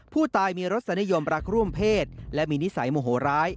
ผู้ตายมีรสนิยมรักร่วมเพศและมีนิสัยโมโหร้าย